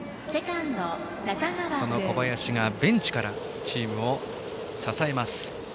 その小林がベンチからチームを支えます。